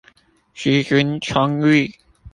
資金充裕